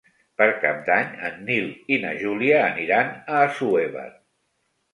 Per Cap d'Any en Nil i na Júlia aniran a Assuévar.